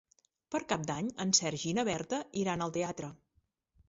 Per Cap d'Any en Sergi i na Berta iran al teatre.